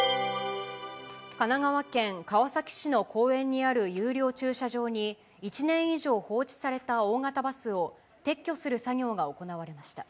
神奈川県川崎市の公園にある有料駐車場に１年以上放置された大型バスを撤去する作業が行われました。